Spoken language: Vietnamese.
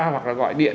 hoặc là gọi điện